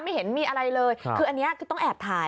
เห็นมีอะไรเลยคืออันนี้คือต้องแอบถ่าย